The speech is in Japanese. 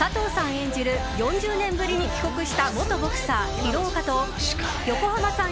演じる４０年ぶりに帰国した元ボクサー、広岡と横浜さん